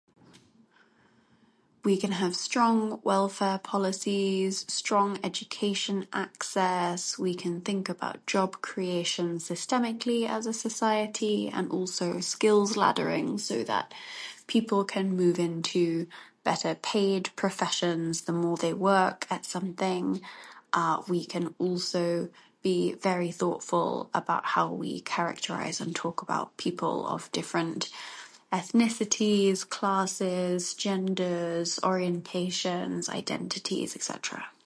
We can have strong welfare policies, strong education access, we can think about job creation systemically as a society and also a skills laddering so that people can move into better paid professions the more they work at something. Uh, we can also be very thoughtful about how we characterize and talk about people of different ethnicities, classes, genders, orientations, identities, etcetera.